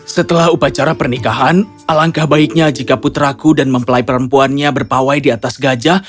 setelah upacara pernikahan alangkah baiknya jika putraku dan mempelai perempuannya berpawai di atas gajah